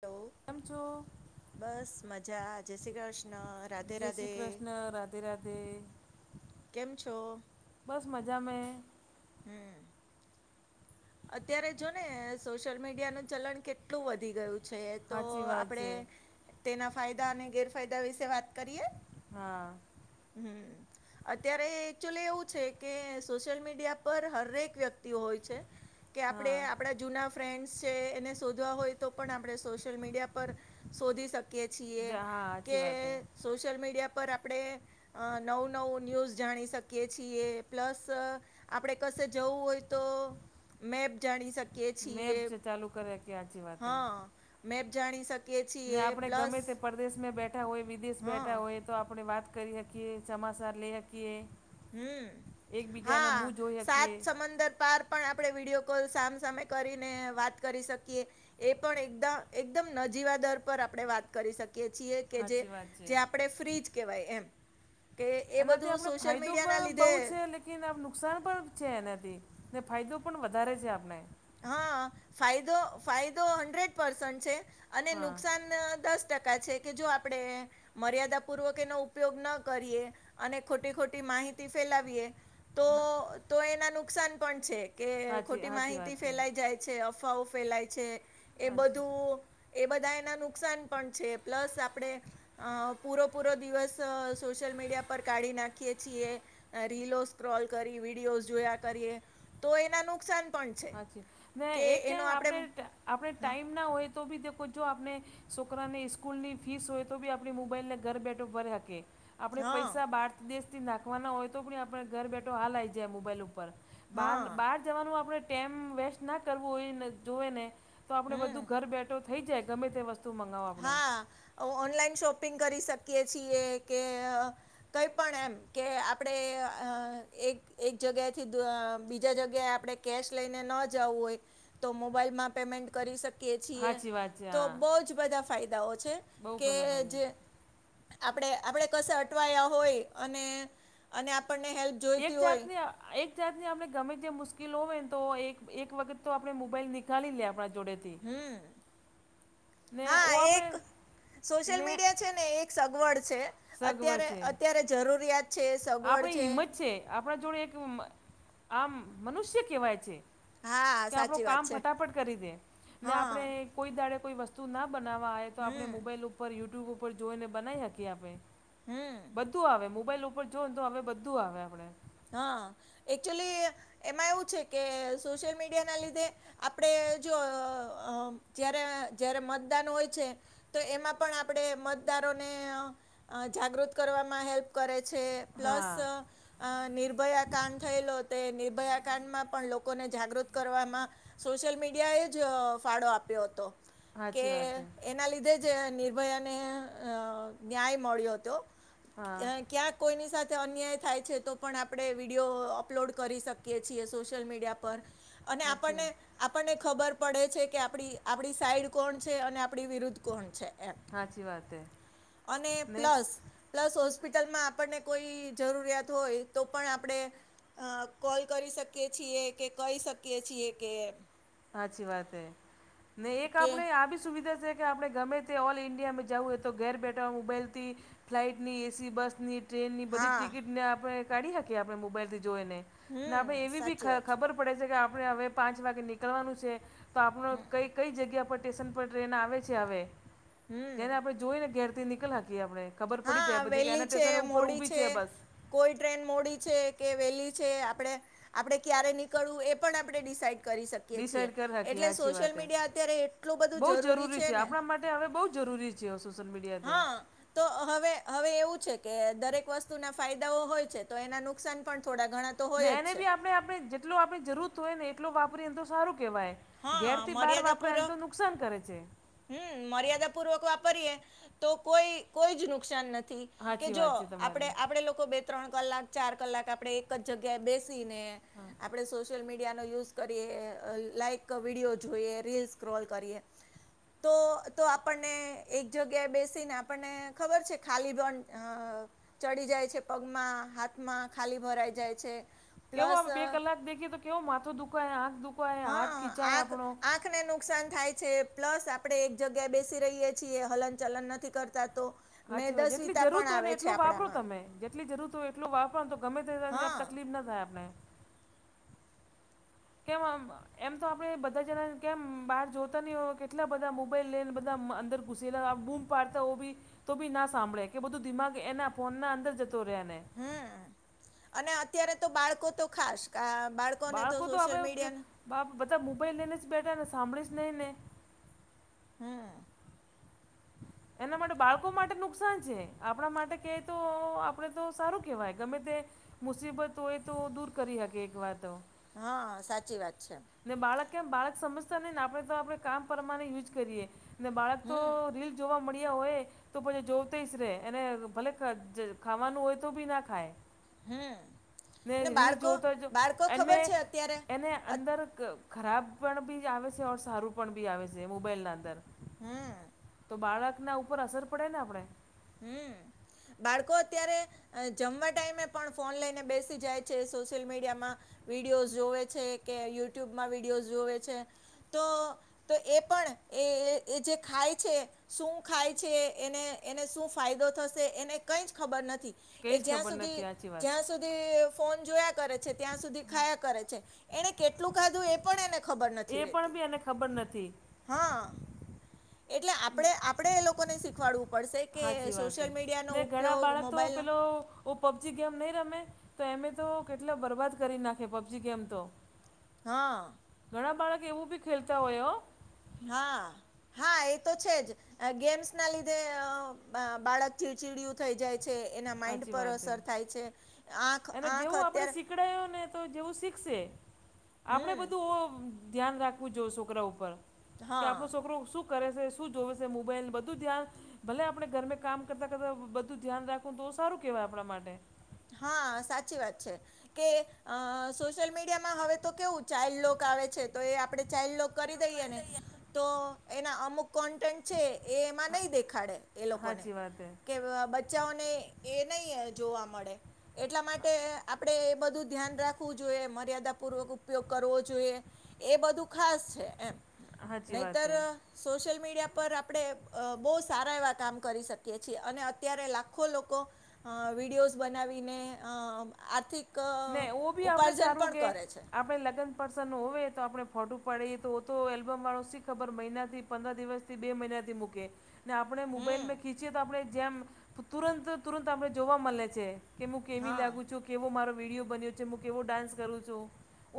Hello [unintelligible] બસ મજા જય શ્રી કૃષ્ણ રાધે જય શ્રી રાધે. કૃષ્ણ રાધે રાધે. કેમ છો? બસ મજા મે. હમ્મ. અત્યારે જો ને સોશિયલ મીડિયાનું ચલણ કેટલું વધી ગયું છે તો સાચી વાત છે આપણેે તેના ફાયદા અને ગેરફાયદા વિશે વાત કરીએ. હા [inaudible] અત્યારે એકચુઅલી એવું છે કે સોશિયલ મીડિયા પર હરેક વ્યક્તિ હોય છે. કે આપણે હા આપણા જૂના ફ્રેન્ડ્સ છે એને શોધવા હોય તો પણ આપણે સોશિયલ મીડિયા પર શોધી શકીએ છીએ. હા હાચી કે વાત હૈ. સોશિયલ મીડિયા પર આપણે અ નવું નવું ન્યૂઝ જાણી શકીએ છીએ પ્લસ આપણે કસે જવું હોય તો મેપ જાણી શક કીએ મેં છીએ જ ચાલુ કર્યા કે સાચી વાત હે હા મેપ જાણી શક ને આપણે ગમે તે પરદેશમાં બેઠા હોય વિદેશ બેઠા હા હોય તો આપણે વાત કરી હકીએ ચોમાસા લઈ હકીએ હમ હા જોઈ સાત શકીએ સમદર પાર્ક પણ આપણે વિડીયો કોલ સામસામે કરીને વાત કરી શકીએ. એ પણ એકદ એકદમ નજીવા દર પર આપણે વાત કરી શકીએ છીએ. કે સાચી વાત છે જે આપણે ફ્રિજ કેવાય એમ કે એ એનાથી બધુ આપણે સોશલ ફાયદો મી પણ બહુ છે લેકિન આમ નુકસાન પણ છે એનાથી ને ફાયદો પણ વધારે છે આપને હા ફાયદો ફાયદો હન્ડ્રેડ પસન્ટ છે. અને હા નુકસાન દસ ટકા છે કે જો આપણે મર્યાદા પૂર્વક એનો ઉપયોગ ન કરીએ અને ખોટી ખોટી માહિતી ફેલાવીએ તો હા તો એના નુકસાન પણ છે કે સાચી ખોટી સાચી માહિતી વાત છે ફેલાઈ જાય છે અફવાઓ ફેલાય છે એ હાચી બધું એ બધા એના નુકસાન પણ છે પ્લસ આપણેે અ પૂરો પૂરો દિવસ સોશિયલ મીડિયા પર કાઢી નાખીએ છીએ રીલો સ્ક્રોલ કરી વિડીયોસ જોયા કરીએ તો એના નુકસાન પણ છે. ને કે એક એનો આપણે આપણે હા ટાઈમ ના હોય તો ભી દો જો આપને છોકરાને સ્કૂલની ફીસ હોય તો બી આપણી મોબાઈલને ઘર બેઠો ભરે હકે આપણે હા પૈસા બાર દેશથી નાખવાના હોય તો પણ ઘર બેઠો હાલ જાય મોબાઈલ ઉપર બાર હા બહાર જવાનું આપણે ટાઈમ વેસ્ટ ના કરવું હોયને તોએ ને તો આપણે બધું હમ ઘર બેઠો થઈ જાય ગમે તે વસ્તુ મંગાવો આપણે હા ઓનલાઈન શોપિંગ કરી શકીએ છીએ કે કંઈ પણ એમ કે આપણે અ એક એક જગ્યાએથી દ અ બીજા જગ્યાએ આપણે કેશ લઈને ન જવું હોય તો મોબાઈલમાં પેમેન્ટ કરી શકીએ છીએ સાચી વાત છે તો હા બહુ જ બધા ફાયદાઓ છે. બહુ કે બધા જે ફાયદા આપણે આપણેે કશે અટવાયા હોય અને અને આપણને હેલ્પ એક જોઈતી હોય જાતની અ એક જાતની આપણે ગમે તે મુશ્કેલીઓ હોય ને તો એક એક વખત તો આપણે મોબાઈલ નીકાળી આપણા જોડેથી હમ ને હા ઓ એક આપણે સોશિયલ ને મીડિયા છે ને એક સગવડ છે સગવડ અત્યારે છે અત્યારે જરૂરિયાત છે સગવડ આપણી હિંમત છે આપણા જોડે એક આમ મનુષ્ય કહેવાય છે. હા કે સાચી આપણું વાત કામ છે ફટાફટ કરી દે ને હા આપણેે કોઈ દાડે કોઈ વસ્તુ ના બનાવા આવે તો આપણે હમ મોબાઈલ ઉપર યુટ્યુબ ઉપર જોઈને બનાવી શકીએ આપણે હમ્મ. બધું આવે મોબાઈલ ઉપર જો ને તો હવે બધું આવે આપડે. હા એકચુલી એમાં એવું કે સોશિયલ મીડિયા ના લીધે આપડે જો અહ જયારે જયારે મતદાન હોય છે તો એમાં પણ આપડે મતદારોને અહ અહ જાગૃત કરવામાં હેલ્પ કરે છે, પ્લસ હા અહ અહ નિર્ભયા કાંડ થયેલો તે નિર્ભયા કાંડમાં પણ લોકોને જાગૃત કરવામાં સોશિયલ મીડિયાએ જ ફાળો આપ્યો હતો કે સાચી વાત છે એના લીધે જ નિર્ભયાને અહ ન્યાય મળ્યો તો હા ક્યાંક કોઈની સાથે અન્યાય થાય છે તો પણ આપડે વિડીયો અપલોડ કરી શકીએ છીએ સોશિયલ મીડિયા પર અને સાચી આપણને વાત આપણને ખબર પડે છે કે આપડી આપડી સાઈડ કોણ છે અને આપડી વિરુદ્ધ કોણ છે એમ. સાચી વાત છે અને ને પ્લસ પ્લસ હોસ્પિટલમાં આપણને કોઈ જરૂરિયાત હોય તો પણ આપડે અહ કોલ કરી શકીએ છીએ કે કહી શકીએ છીએ કે હાચી વાત હે ને એક કે આપડે આવી સુવિધા છે કે આપડે ગમે તે ઓલ ઇન્ડિયામાં જવું હોય તો ઘેર બેઠા મોબાઈલ થી ફ્લાઇટ ની એ સી બસની ટ્રેનની બધી હા ટિકિટ ને આપણે કાઢી શકીએ આપણે મોબાઈલ થી જોઈઈ ને આપણે હમ એવી બી સાચી વાત ખ-ખબર પડે છે કે આપણે હવે પાંચ વાગે નીકળવાનું છે તો આપણો કઈ કઈ જગ્યા પર સ્ટેશન પર ટ્રેન આવે છે હવે હમ જેને આપડે જોઈને ઘેરથી નીકળ કીએ આપડે. ખબર પડી જાય હા બધી કે એના વહેલી છે સ્ટેશન ઉપર મોડી ઊભી છે બસ. કોઈ ટ્રેન મોડી છે કે વેલી છે આપડે આપડે ક્યારે નીકળવું એ પણ આપડે ડિસાઇડ કરી શકીએ છીએ. ડિસાઇડ કરી શકીએ એટલે સાચી સોશિયલ વાત છે મીડિયા અત્યારે એટલું બધું જરૂરી છે ને તે હવે બહુ જરૂરી છે સોશિયલ મીડિયા તો. હા તો હવે હવે એવું છે કે દરેક વસ્તુના ફાયદાઓ હોય છે તો એના નુકસાન પણ થોડા ઘણા તો ને હોય જ એને છે બી આપણે આપણે જેટલો આપણે જરૂર હોય ને એટલો વાપરીને તો સારું કહેવાય. ઘેર હા થી બહાર વાપરો એમ તો નુકસાન કરે છે. હમ્મ મર્યાદા પૂર્વક વાપરીયએ તો કોઈ કોઈ જ નુકસાન ન થી કે સાચી જો વાત છે આપડે તમારી આપડે લોકો બે ત્રણ કલાક ચાર કલાક આપડે એક જ જગ્યાએ બેસીને હા આપડે સોશિયલ મીડિયાનો યુઝ કરીએ લાઈક ક વિડીયો જોઈએ રીલ સ્ક્રોલ કરીએ તો તો આપણને એક જગ્યાએ બેસીને આપણને ખબર છે ખાલી પણ અહ ચડી જાય છે પગમાં હાથમાં ખાલી ભરાઈ જાય છે. કેવો પ્લસ આમ બે કલાક દેખીએ તો કેવો માથો દુખાય આંખ દુખાય હાથ હા ખીંચાય આંખ આપણો. આંખને નુકસાન થાય છે પ્લસ આપડે એક જગ્યાએ બેસી રહીએ છીએ હલન ચલન નથી કરતા તો હાચી વાત જેટલી મેદસ્વીતા પણ જરૂરત હોય ને આવે છે એટલું વાપરો આપણામાં તમે જેટલી જરૂરત હોય એટલો વાપરનું તો ગમે તે ત્યાં હા તકલીફ ના થાય આપને. કેમ આમ અહ એમ તો આપણેે બધા જણા કેમ બહાર જોતા નહી હોય કેટલા બધા મોબાઈલ લઈ બધા અંદર ઘુસેલા આ બૂમ પાડતા ઓબી તો બી ના સાંભળે કે બઆધું દિમાગ એના ફોન ના અંદર જતો રહે એને. હમ્મ અને અત્યારે તો બાળકો તો ખાસ કા બાળ બાળકો તો હવે કે આ બધા મોબાઈલ લઈને જ બેઠા ને સાંભળી જ નહી ને. હમ્મ. એના માટે બાળકો માટે નુકસાન છે આપડા માટે કેય તો આપડે તો સારું કેવાય ગમે તે મુસીબત હોય તો દૂર કરી હકે એક વાર તો હઅઅઅ સાચી વાત છે. ને બાળક કેમ બાળક સમજતા નહી ને તો આપણેે કામ પરમાણે યુજ કરીયે ને બાળક તો હમ રીલ જોવા મળીયા હોય. તો પછી જોતિષ રે એને ભલે ખાવાનું હોય તો ભી ના ખાય. ને રીલ બાળકો જોતો જ બાળકો એને ખબર છે અત્યારે એને અત- અંદર ર ખરાબ પણ ભી આવે છે અ સારું પણ ભી આવે છે મોબાઈલ ના અંદર હમમમ તો બાળકના ઉપર અસર પડે ને આપણેે. હમમમ બાળકો અત્યારે જમવા ટાઈમે પણ ફોન લઈને બેસી જાય છે સોશિયલ મીડિયામાં વિડીયોસ જોવે છે કે યુટ્યુબમાં વિડીયો જોવે છે તો- તો એ પણ એ જે ખાય છે શું ખાય છે એને એને શું ફાયદો થશે એને કંઈ જ ખબર નથી કંઈ એ જ જ્યાં ખબર સુધી નથી સાચી વાત જ્યાં સુધી ફોન જોયા કરે છે ત્યાં સુધી ખાયા કરે છે એણે કેટલું ખાધું એ પણ એને ખબર એ નથી પણ રેતી. બી એને ખબર નથી હઅઅ એટલે આપડે આપણે એ લોકોને શીખવાડવું પડશે કે હાચી વાત હે સોશિયલ મીડિયાનો ને ઘણા ઉપયોગ બાળક તો મોબાઈલનો પેલો ઓ પબજી ગેમ નહી રમે તો એમે તો કેટલા બરબાદ કરી નાખે પબજી ગેમ તો. હઅઅ ઘણા બાળક એવું ભી ખેલતા હોય હો હાઆઆ હા એ તો છે જ ગેમ્સના લીધે બાળક ચીડચીડયુ થઈ જાય છે એના માઈન્ડ સાચી પર વાત એ અસર થાય છે. આંખ એને આંખ જેવું આપણે અત્યારે શીખડાયું ને તો જેવું શીખશે આપણે હમ બધું ઓમ ધ્યાન રાખવું જો સોકરા ઉપર કે આપણો હા સોકરો શું કરે છે શું જોવે છે મોબાઈલ બધું ધ્યાન ભલે આપણે ઘરમે કામ કરતા કરતા બધું ધ્યાન રાખવું તો સારું કેવાય આપણા માટે હાઆ સાચી વાત છે. કે અઅ સોશિયલ મીડિયામાં હવે તો કેવું ચાઈલ લોક આવે છે તો એ આપણે ચાઇલ્ડ કરી દઈને તો એના અમુક કોન્ટેન્ટ છે એ એમાં નહી દેખાડે એ લોકોને સાચી વાત હે કે બ ચાઓને એ નઈ જોવા મળે. એટલા માટે આપણેે એ બધું ધ્યાન રાખવું જોઈએ મર્યાદાપૂર્વક ઉપયોગ કરવો જોઈએ. એ બધું ખાસ છે એમ સાચી વાત નહીતર હે સોશિયલ મીડિયા પર આપણે અઅ બોવ સારા એવા કામ કરી શકીએ છીએ અને અત્યારે લાખો લોકો અઅ વિડીયોઝ બનાવીને અઅ આર્થિક ને એવું ભી આપણે ઉપાર્જન સારું પણ કે કરે છે આપણે લગન પર્સન ન હોય તો આપણે ફોટું પાડીએ તો તો એલ્બમ વાળો શી ખબર મહિનાથી પંદર દિવસ બે મહિનાથી મૂકે ને આપણે હમ મોબાઈલમે ખીંચીએ તો આપણે તુરંત તુરંત આપણે જોવા મલે છે. કે હું કેવી હા લાગું છું કેવો મારો વિડીયો બનીયો છે હું કેવો ડાન્સ કરું છું.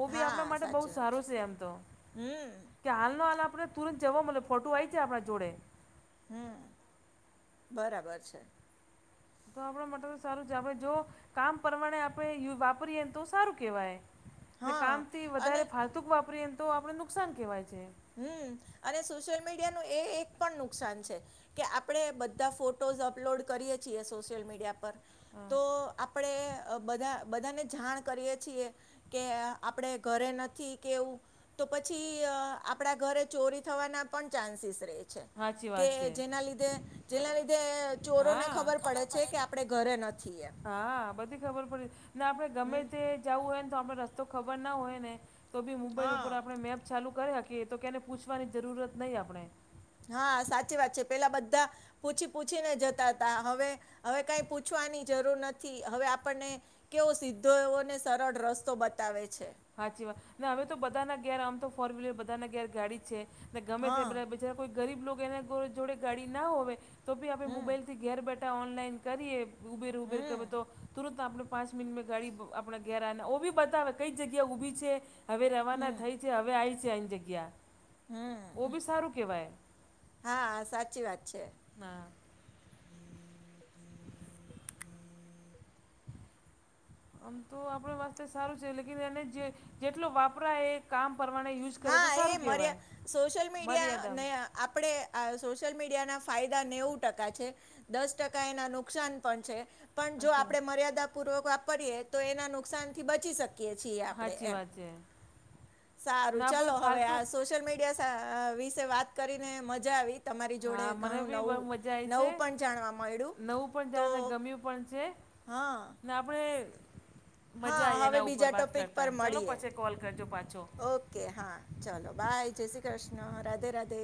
ઓ ભી હા આપણા માટે બોવ સાચી વાત સારું છે એમ તો હમ કે હાલનો હાલ આપણે તુરંત જવો મળ ફોટો આવી જાય આપણા જોડે હમમ બરાબર છે. તો આપણા માટે તો સારું છે આપણે જો કામ પરમાને આપણે વાપરીએને તો સારું કેહેવાય. ને હા કામ થી વધારે અને ફાળતુક વાપરી એને તો આપડે નુકસાન કેહેવાય છે. હમ અને સોશિયલ મીડિયા નું એ એક પણ નુકસાન છે. કે આપણેે બધા ફોટોઝ અપલોડ કરીએ છીએ સોશિયલ મીડિયા પ. હા [inaudible] તો આપણે બધા બધાને જાણ કરીએ છીએ. કે આપડે ઘરે નથી કેવું તો પછી. આપણા ઘરે ચોરી થવાના પણ ચાન્સીસ રહે છે સાચી કે વાત છે જેના લીધે. જેના લીધે ચોરોને હા ખબર પડે છે કે આપડે ઘરે નથી એમ. હા બધી ખબર પડી ને આપણે ગમે હમ તે જવું હોય ને તો આપણે રસ્તો ખબર ના હોય ને. તો બી મોબાઈલ ઉપર હા આપણે મેપ ચાલુ કરી શકીએ તો કેને પૂછવાની જરૂરત નહીં આપણે. હા સાચી વાત છે પેલા બધા. પૂછી પૂછીને જતા હતા હવે હવે કઈ પૂછવાની જરૂર નથી હવે આપણને. કેવો સીધો એવોને સરળ રસ્તો બતાવે છે. સાાચી વાત ને હવે તો બધાના ઘેર આમ તો ફોર વ્હીલર બધા ના ઘેર ગાડી છે ને ગમે તે હા બા બીજા. કોઈ ગરીબ લોકો એના જોડે ગાડી ના હોય તો બી અમે હમ મોબાઈલથી ઘેર બેઠા ઓનલાઈન કરીએ. ઉબેર ઉબેર કરું હમ તો તુંરત આપણે પાંચ મિનીટમાં ગાડી આપણે ઘેર આઈને ઊભી બતાવે કઈ. જગ્યા ઊભી છે હવે રવાના થઈ છે હવે આવી છે એની જગ્યા. ઓ ભી સારું કેવાય હા સાચી વાત છે હ આમ તો આપણે વાસ્ [inaudible] સારું છે. લેકિન એને જે જેટલો વાપરાય એ કામ પરમાને [inaudible] હા એ મર્યા સોશિયલ મર્યાદા મીડિયાને [inaudible] આપણે આ સોશિયલ મીડિયાના ફાયદા નેવું ટકા છે. દસ ટકા એના નુકસાન પણ છે. પણ જો સાચી આપણે વાત મર્યાદા પૂર્વક વાપરીએ તો એના નુકસાનથી બચી શકીએ છીએ આપણે સાચી એમ વાત છે સારું ના આપણે ચાલો હવે ફાલતુ આ સોશિયલ મીડિયા વિશે વાત કરીને મજા આવી તમારી જોડે હા ઘણું મનેભી બહુ નવું મજા આઈ છે. નવું પણ જાણવા મળ્યું નવું પણ તો જાણ્યું ને ગમ્યું પણ છે. હા ને આપણે હા મજા આઈ હવે એના ઉપર બીજા વાત ટોપિક કરતા પર ચાલો પછી કોલ કરજો પાછો એ હા ચલો બાાય જય શ્રી કૃષ્ણ રાધે રાધે